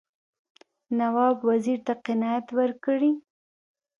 نواب وزیر ته قناعت ورکړي.